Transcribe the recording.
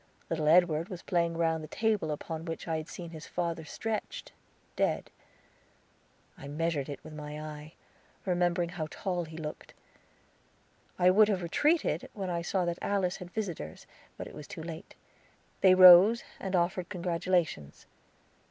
Little Edward was playing round the table upon which I had seen his father stretched, dead. I measured it with my eye, remembering how tall he looked. I would have retreated, when I saw that Alice had visitors, but it was too late. They rose, and offered congratulations.